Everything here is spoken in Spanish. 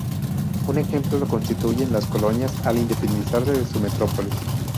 Un ejemplo lo constituyen las colonias al independizarse de su metrópolis.